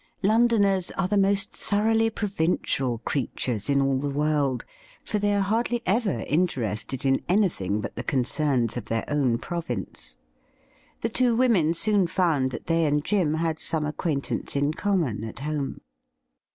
Londoners are the most thoroughly pro vincial creatures in all the world, for they are hardly ever interested in anything but the concerns of their own pro vince. The two women soon fovmd that they and Jim had some acquaintance in common at home.